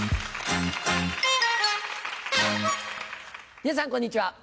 皆さんこんにちは。